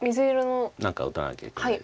何か打たなきゃいけないです。